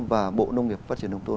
và bộ nông nghiệp phát triển đồng tôn